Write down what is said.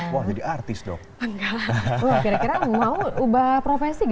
wah jadi artis dong